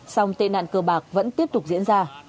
song tên nạn cờ bạc vẫn tiếp tục diễn ra